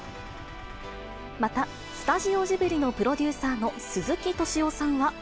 また、スタジオジブリのプロデューサーの鈴木敏夫さんは。